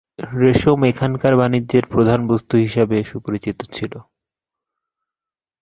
রেশম এখানকার বাণিজ্যের প্রধান বস্তু হিসাবে সুপরিচিত ছিল।